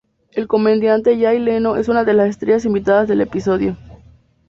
El comediante Jay Leno es una de las estrellas invitadas del episodio.